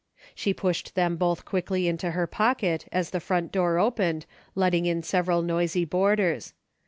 She pushed them both quickly into her pocket as the front door opened letting in several noisy boarders.